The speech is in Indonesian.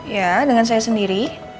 ya dengan saya sendiri